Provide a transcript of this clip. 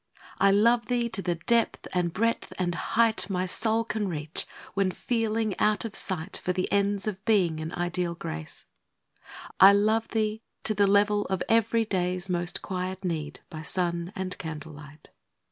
I love thee to the depth and breadth and height My soul can reach, when feeling out of sight, For the ends of Being and Ideal Grace. I love thee to the level of every day's Most quiet need, by sun and candlelight.